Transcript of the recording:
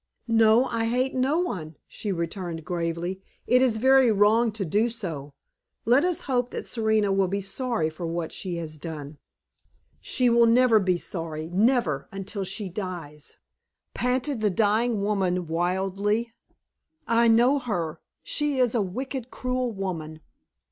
"No; I hate no one," she returned gravely. "It is very wrong to do so. Let us hope that Serena will be sorry for what she has done." "She will never be sorry never, until she dies!" panted the dying woman, wildly. "I know her; she is a wicked, cruel woman.